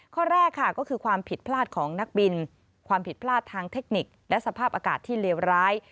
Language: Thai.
ข้อแรกค่ะก็คือความผิดพลาดของนักบินความผิดพลาดทางเทคนิคและสภาพอากาศที่เลวร้าย